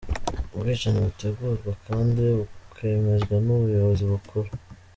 Ubwicanyi butegurwa kandi bukemezwa n’ubuyobozi bukuru.